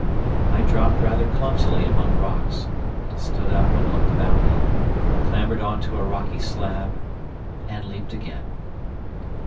I dropped rather clumsily among rocks, stood up and looked about me, clambered on to a rocky slab, and leapt again....